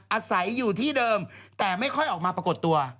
อาศัยอยู่ที่เดิมแต่ไม่ค่อยออกมาปรากฏตัว